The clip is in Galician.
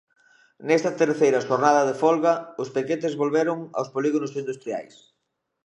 Nesta terceira xornada de folga os piquetes volveron aos polígonos industriais.